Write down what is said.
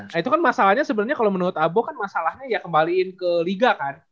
nah itu kan masalahnya sebenernya kalo menurut abo kan masalahnya ya kembaliin ke liga kan